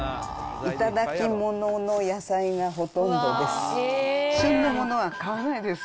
頂きものの野菜がほとんどです。